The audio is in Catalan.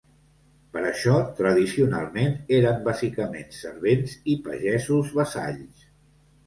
Per això, tradicionalment, eren bàsicament servents i pagesos vassalls.